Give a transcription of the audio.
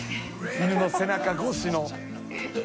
イヌの背中越しの。